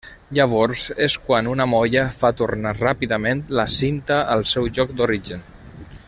Llavors és quan una molla fa tornar ràpidament la cinta al seu lloc d’origen.